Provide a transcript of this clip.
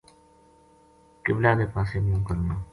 قبلہ کے پاسے منہ کرنو۔